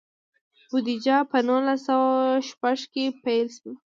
بودیجه په نولس سوه شپږ کې پیل شوه.